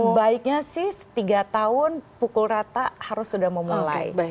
sebaiknya sih tiga tahun pukul rata harus sudah memulai